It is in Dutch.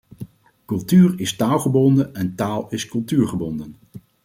Cultuur is taalgebonden en taal is cultuurgebonden.